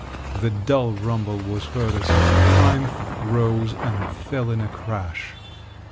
The dull rumble was heard a second time, rose, and fell in a crash.